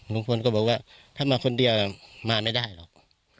ลุงพลก็บอกว่าถ้ามาคนเดียวมาไม่ได้หรอก